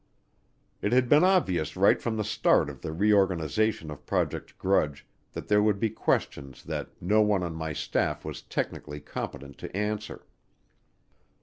It had been obvious right from the start of the reorganization of Project Grudge that there would be questions that no one on my staff was technically competent to answer.